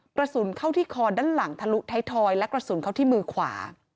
กระสุนเข้าที่คอด้านหลังทะลุท้ายทอยและกระสุนเข้าที่มือขวา